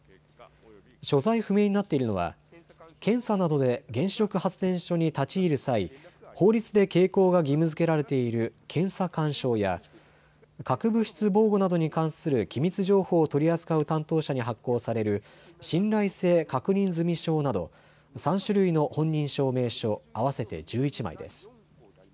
所在不明になっているのは検査などで原子力発電所に立ち入る際、法律で携行が義務づけられている検査官証や核物質防護などに関する機密情報を取り扱う担当者に発行される信頼性確認済証など３種類の本人証明書、合わせて１１枚です。